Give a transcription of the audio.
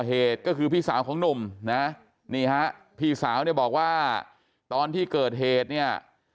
คนก่อเหตุก็คือพี่สาวของนุ่มนะพี่สาวบอกว่าตอนที่เกิดเหตุเนี่ย